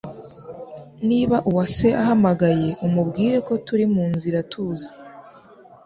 Niba uwase ahamagaye, umubwire ko turi munzira tuza.